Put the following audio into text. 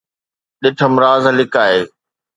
ڏٺم راز لڪائي